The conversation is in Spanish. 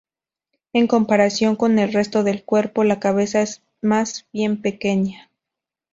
En comparación con el resto del cuerpo, la cabeza es más bien pequeña.